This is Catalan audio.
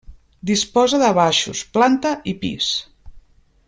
Disposa de baixos, planta i pis.